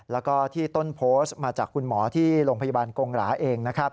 แล้วก็ที่ต้นโพสต์มาจากคุณหมอที่โรงพยาบาลกงหราเองนะครับ